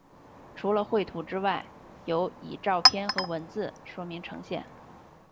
除了绘图之外有的以照片和文字说明呈现。